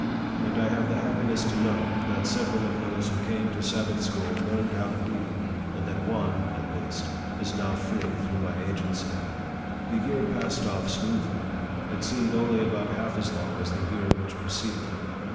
And I have the happiness to know, that several of those who came to Sabbath school learned how to read ; and that one, at least, is now free through my agency. The year passed off smoothly. It seemed only about half as long as the year which preceded it.